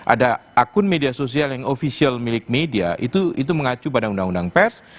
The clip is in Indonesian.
ada akun media sosial yang ofisial milik media itu mengacu pada undang undang pers